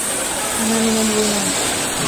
أنا من اليونان.